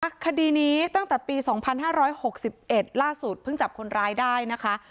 คดีนี้ตั้งแต่ปี๒๕๖๑ล่าสุดเพิ่งจับคนร้ายได้นะคะ